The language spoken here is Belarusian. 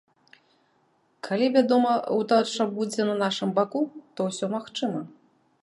Калі, вядома, удача будзе на нашым баку, то ўсё магчыма.